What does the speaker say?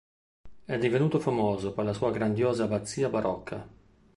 È divenuto famoso per la sua grandiosa abbazia barocca.